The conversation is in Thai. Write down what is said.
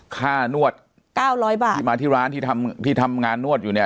ค่านวด๙๐๐บาทที่มาที่ร้านที่ทำที่ทำงานนวดอยู่เนี่ย